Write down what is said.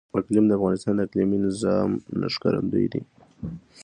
اقلیم د افغانستان د اقلیمي نظام ښکارندوی ده.